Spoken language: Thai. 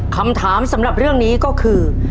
คำถามสำหรับเรื่องนี้ก็คือ